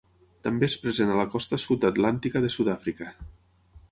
També és present a la costa sud atlàntica de Sud-àfrica.